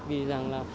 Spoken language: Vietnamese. vì rằng là